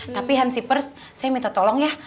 tapi hansi pers saya minta tolong ya